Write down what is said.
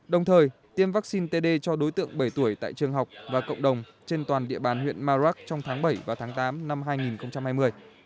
đồng thời tiêm vaccine td cho đối tượng bảy tuổi tại trường học và cộng đồng trên toàn địa bàn huyện marak trong tháng bảy và tháng tám năm hai nghìn hai mươi